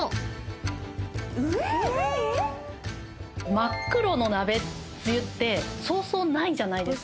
真っ黒の鍋つゆってそうそうないじゃないですか。